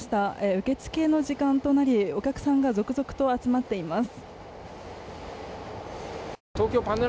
受け付けの時間となりお客さんが続々と集まっています。